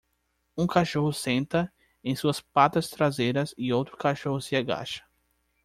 Um cachorro senta em suas patas traseiras e outro cachorro se agacha.